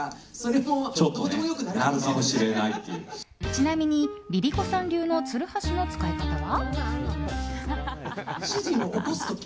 ちなみにＬｉＬｉＣｏさん流のツルハシの使い方は？